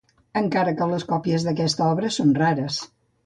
Encara que les còpies d'aquesta obra són rares.